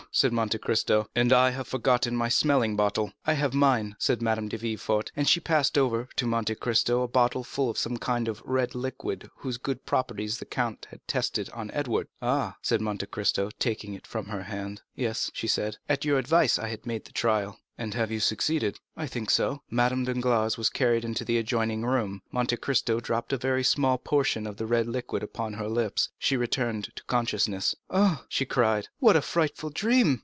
_" said Monte Cristo, "and I have forgotten my smelling bottle!" "I have mine," said Madame de Villefort; and she passed over to Monte Cristo a bottle full of the same kind of red liquid whose good properties the count had tested on Edward. "Ah," said Monte Cristo, taking it from her hand. "Yes," she said, "at your advice I have made the trial." "And have you succeeded?" "I think so." Madame Danglars was carried into the adjoining room; Monte Cristo dropped a very small portion of the red liquid upon her lips; she returned to consciousness. "Ah," she cried, "what a frightful dream!"